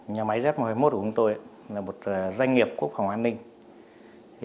nhà máy z một trăm hai mươi một của chúng tôi là một doanh nghiệp quốc phòng an ninh